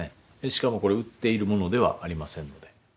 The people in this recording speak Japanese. しかもこれ売っているものではありませんので。